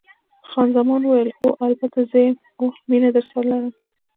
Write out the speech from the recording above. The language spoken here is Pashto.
خان زمان وویل: هو، البته زه یم، اوه، مینه درسره لرم.